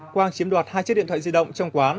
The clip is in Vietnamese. quang chiếm đoạt hai chiếc điện thoại di động trong quán